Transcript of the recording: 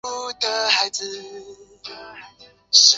最终导致在那个位置修建修道院。